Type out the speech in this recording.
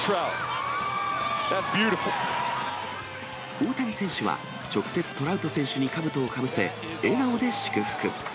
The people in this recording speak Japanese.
大谷選手は、直接、トラウト選手にかぶとをかぶせ、笑顔で祝福。